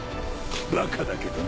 バカだけどな。